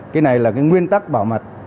cái này là cái nguyên tắc bảo mật